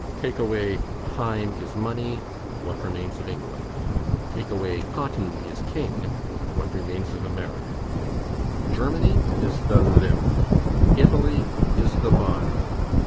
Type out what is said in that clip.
Take away Time is money, what remains of England? Take away Cotton is king, what remains of America? Germany is the lymph, Italy is the bile.